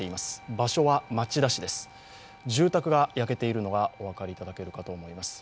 場所は町田市です住宅が焼けているのがお分かりいただけるかと思います。